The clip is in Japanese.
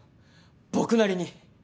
僕なりに。